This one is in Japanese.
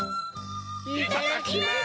いただきます！